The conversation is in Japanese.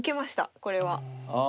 これは。あ。